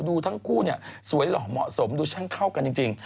ดูทั้งคู่เนี่ยสวยหล่อเหมาะสมดูช่างเข้ากันจริง